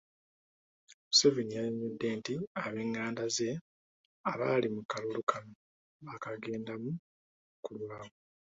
Museveni yannyonnyodde nti ab'enganda ze abali mu kalulu kano bakagendamu ku lwabwe.